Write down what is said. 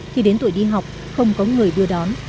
khi đến tuổi đi học không có người đưa đón